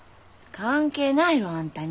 関係ないろあんたに。